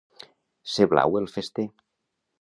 Ser blau el fester.